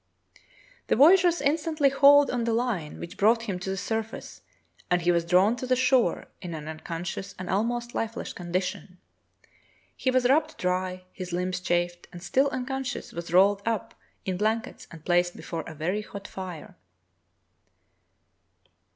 The voyageurs in stantly hauled on the line, which brought him to the surface, and he was drawn to the shore in an uncon scious and almost lifeless condition. He was rubbed dry, his limbs chafed, and, still unconscious, was rolled up in blankets and placed before a very hot fire.